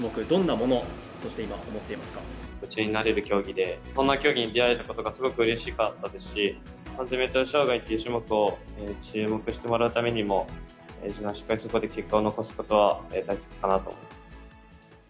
夢中になれる競技で、こんな競技に出会えたことが、すごくうれしかったですし、３０００メートル障害という種目を注目してもらうためにも、しっかりそこで結果を残すことが大切かなと。